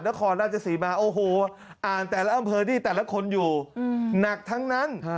นครราชสีมาโอ้โหอ่านแต่ละอำเภอนี่แต่ละคนอยู่หนักทั้งนั้น